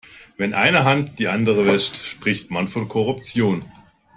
Wenn eine Hand die andere wäscht, spricht man von Korruption.